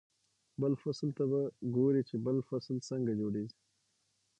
بل فصل ته به ګوري چې بل فصل څنګه جوړېږي.